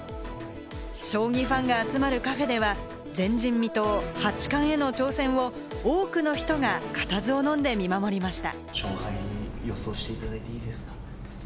将棋ファンが集まるカフェでは、前人未到八冠への挑戦を多くの人が固唾をのんで見守りました。